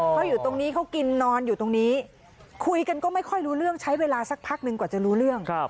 เขาอยู่ตรงนี้เขากินนอนอยู่ตรงนี้คุยกันก็ไม่ค่อยรู้เรื่องใช้เวลาสักพักหนึ่งกว่าจะรู้เรื่อง